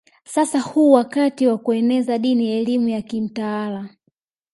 Sasa huu wakati wa kueneza dini elimu ya kimtaala